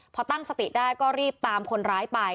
พอตั้งสติได้ก็รีบตามคนร้ายไป